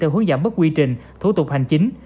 theo hướng giảm bớt quy trình thủ tục hành chính